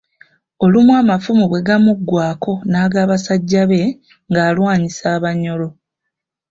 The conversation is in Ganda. Olumu amafumu bwe gaamuggwaako n'aga basajja be ng'alwanyisa Abanyoro.